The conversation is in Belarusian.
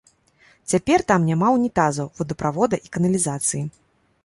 Цяпер там няма ўнітазаў, водаправода і каналізацыі.